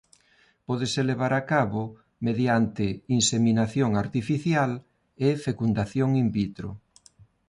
Pódese levar a cabo mediante inseminación artificial e fecundación in vitro.